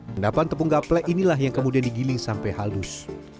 endapan tepung gaplek inilah yang kemudian digiling sampai halus